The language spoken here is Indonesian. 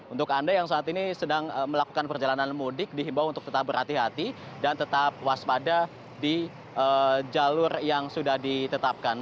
untuk anda yang saat ini sedang melakukan perjalanan mudik dihimbau untuk tetap berhati hati dan tetap waspada di jalur yang sudah ditetapkan